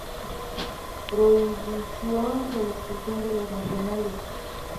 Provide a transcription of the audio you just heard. Prohibición de la expulsión de los nacionales".